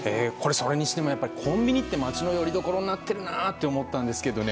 それにしてもコンビニって町のよりどころになってるなと思ったんですけどね。